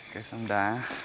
cái sông đá